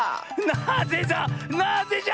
なぜじゃ⁉